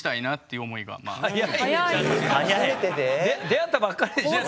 出会ったばっかりでしょ？